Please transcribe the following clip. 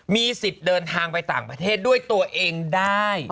มีสิทธิ์เดินทางไปต่างประเทศด้วยตัวเองได้